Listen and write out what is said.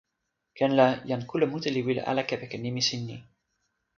ken la, jan kule mute li wile ala kepeken nimi sin ni.